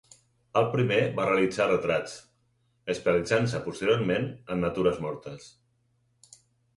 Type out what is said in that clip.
El primer va realitzar retrats, especialitzant-se posteriorment en natures mortes.